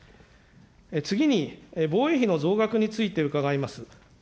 次に、防衛費の増額について伺います。